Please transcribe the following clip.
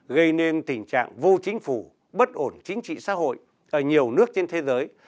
gây nên tình trạng vô chính phủ bất ổn chính trị xã hội ở nhiều nước trên thế giới